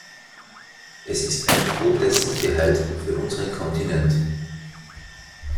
Es ist ein Gebot der Sicherheit für unseren Kontinent.